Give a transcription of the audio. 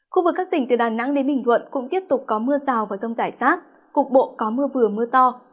khu vực các tỉnh từ đà nẵng đến bình thuận cũng tiếp tục có mưa rào và rông rải rác cục bộ có mưa vừa mưa to